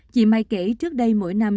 chị mai kể trước đây mỗi năm